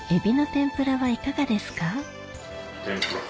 天ぷら。